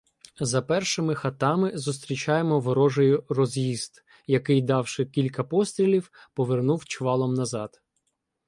За першими хатами зустрічаємо ворожий роз'їзд, який, давши кілька пострілів, повернув чвалом назад.